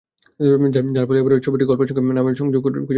যার ফলে এবার ছবিটির গল্পের সঙ্গে নামের সংযোগ খুঁজে পাবেন দর্শকেরা।